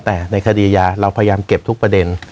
แต่ในคดียาเราพยายามเก็บทุกประเด็น